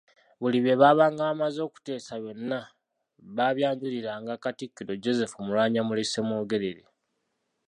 Buli bye babaanga bamaze okuteesa byonna babyanjuliranga Katikkiro Joseph Mulwanyammuli Ssemwogerere.